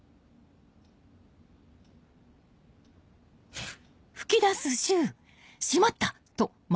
フッ。